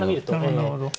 なるほど。